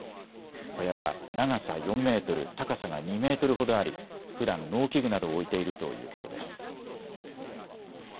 小屋は長さ４メートル、高さが２メートルほどありふだん農機具などを置いているということです。